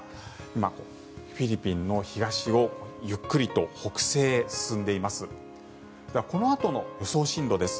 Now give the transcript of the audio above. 今、フィリピンの東をゆっくりと北西へ進んでいます。